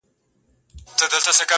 اوس یې خلګ پر دې نه دي چي حرام دي,